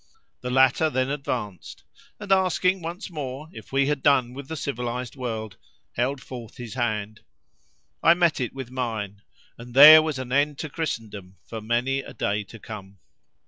The latter then advanced, and asking once more if we had done with the civilised world, held forth his hand. I met it with mine, and there was an end to Christendom for many a day to come.